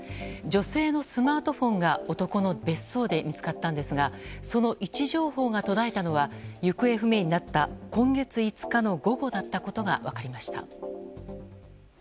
女性のスマートフォンが男の別荘で見つかったんですがその位置情報が途絶えたのは行方不明になった今月５日の午後だったことが分かりました。